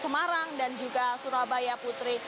semarang dan juga surabaya putri